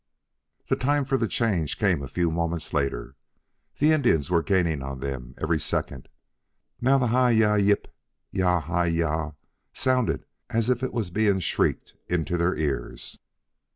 The time for the change came a few moments later. The Indians were gaining on them every second. Now the "hi yi yip yah hi yah" sounded as if it was being shrieked into their ears.